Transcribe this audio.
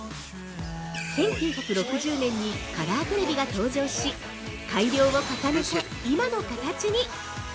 １９６０年にカラーテレビが登場し改良を重ねて今の形に！